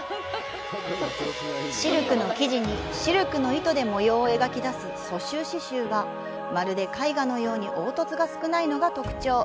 シルクの生地にシルクの糸で模様を描き出す蘇州刺繍はまるで絵画のように凹凸が少ないのが特徴。